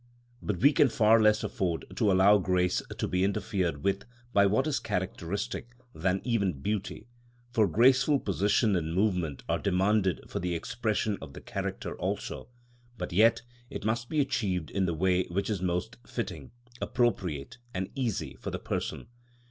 But we can far less afford to allow grace to be interfered with by what is characteristic than even beauty, for graceful position and movement are demanded for the expression of the character also; but yet it must be achieved in the way which is most fitting, appropriate, and easy for the person.